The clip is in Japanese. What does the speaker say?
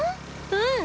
うん。